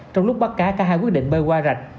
trong lúc bắt cá cả hai quyết định bơi qua rạch